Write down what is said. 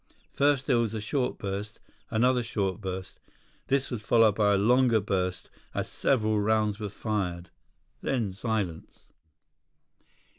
First there was a short burst. Another short burst. This was followed by a longer burst as several rounds were fired. Then, silence.